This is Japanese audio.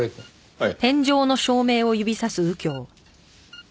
はい。